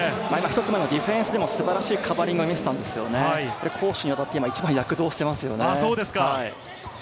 １つ目のディフェンスでも素晴らしいカバーリングを見せたんですが攻守にわたって一番躍動していますね。